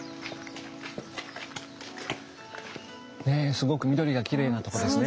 すごく緑がきれいなとこですね。